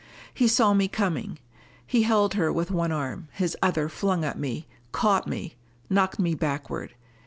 He saw me coming. He held her with one arm! his other flung at me, caught me, knocked me backward.